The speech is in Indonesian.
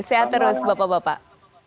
sehat terus bapak bapak